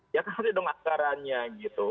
ya kan ini dong akarannya gitu